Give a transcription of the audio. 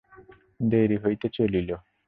দেরি হইতে চলিল।